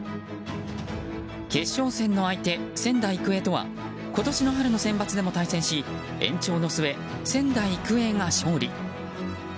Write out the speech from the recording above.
決勝戦の相手、仙台育英とは今年の春のセンバツでも対戦し延長の末、仙台育英が勝利。